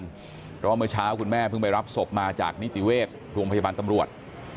เพราะว่าเมื่อเช้าคุณแม่เพิ่งไปรับศพมาจากนิติเวชโรงพยาบาลตำรวจ